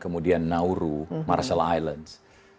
kemudian nauru marshall islands